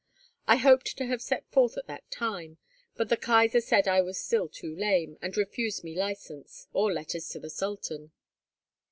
I hoped to have set forth at that time, but the Kaisar said I was still too lame, and refused me license, or letters to the Sultan."